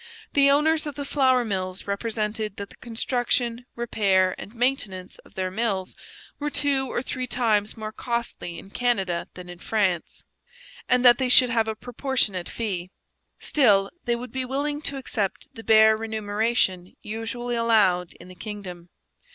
The owners of the flour mills represented that the construction, repair, and maintenance of their mills were two or three times more costly in Canada than in France, and that they should have a proportionate fee; still, they would be willing to accept the bare remuneration usually allowed in the kingdom.